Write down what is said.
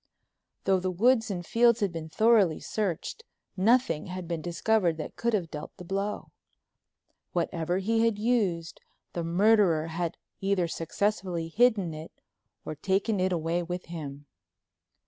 Though the woods and fields had been thoroughly searched nothing had been discovered that could have dealt the blow. Whatever he had used the murderer had either successfully hidden it or taken it away with him.